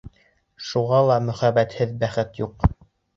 Шуға ла мөхәббәтһеҙ бәхет юҡ.